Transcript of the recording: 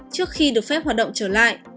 trước khi được phép hoạt động trở lại